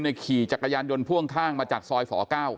ขี่จักรยานยนต์พ่วงข้างมาจากซอยฝ๙